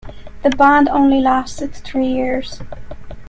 The band only lasted three years.